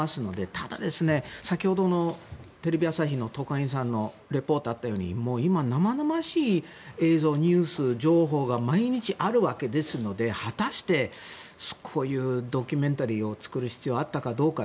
ただ、先ほどのテレビ朝日の特派員さんのリポートがあったように今、生々しい映像、ニュース、情報が毎日、あるわけですので果たしてこういうドキュメンタリーを作る必要があったかどうか。